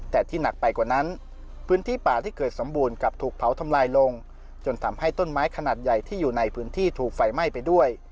แต่ที่หนักไปกว่านั้นพื้นที่ป่าที่เกิดสมบูรณ์กลับถูกเผาทำลายลงจนทำให้ต้นไม้ขนาดใหญ่ที่อยู่ในพื้นที่ถูกไฟไหม้ไปด้วย